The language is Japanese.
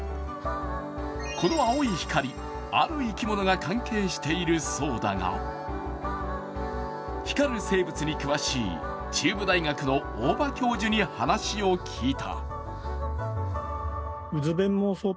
この青い光、ある生き物が関係しているそうだが光る生物に詳しい中部大学の大場教授に話を聞いた。